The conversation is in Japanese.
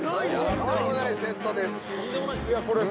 とんでもないセットです